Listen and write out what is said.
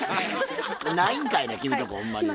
ないんかいな君とこほんまにもう。